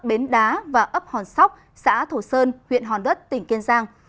bến đá và ấp hòn sóc xã thổ sơn huyện hòn đất tỉnh kiên giang